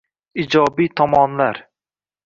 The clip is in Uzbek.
Ijobiy tomonlar